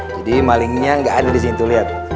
jadi malingnya gak ada disitu lihat